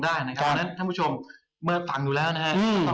ว่าท่านผู้ชมฝั่งดูแล้วนะคะ